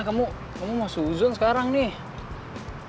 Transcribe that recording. kamu kamu mau suzon sekarang nih